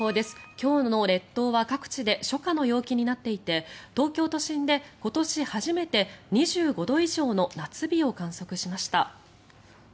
今日の列島は各地で初夏の陽気になっていて東京都心で今年初めて２５度以上の夏日を観測しました。